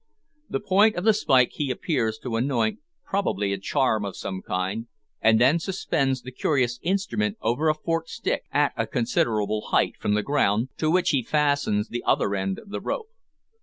The point of the spike he appears to anoint probably a charm of some kind, and then suspends the curious instrument over a forked stick at a considerable height from the ground, to which he fastens the other end of the rope.